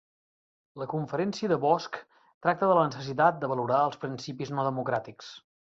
La conferència de Bosch tracta de la necessitat de valorar els principis no democràtics